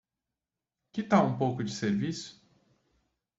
Que tal um pouco de serviço?